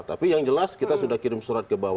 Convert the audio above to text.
tapi yang jelas kita sudah kirim surat ke bawah